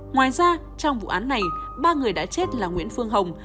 ngoài ra trong vụ án này ba người đã chết là nguyễn phương hồng